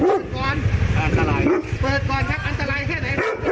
เปิดก่อนครับเอาอันตรายแค่ไหน